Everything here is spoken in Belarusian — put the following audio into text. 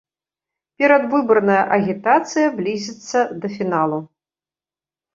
Перадвыбарная агітацыя блізіцца да фіналу.